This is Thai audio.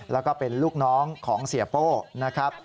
แล้วก็เป็นลูกน้องของเสียโป้นะครับ